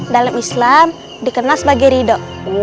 dalam islam dikenal sebagai ridho